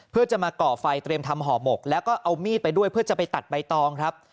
เพื่อจะมาก่อไฟเตรียมทำห่อหมกแล้วก็เอามีดไปด้วยเพื่อจะไปตัดใบตองครับ